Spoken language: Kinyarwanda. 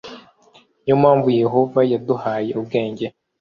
ni yo mpamvu yehova yaduhaye ubwenge